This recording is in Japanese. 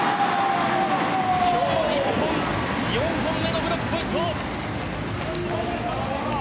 今日、日本４本目のブロックポイント。